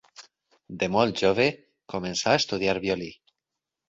De molt jove començà a estudiar violí.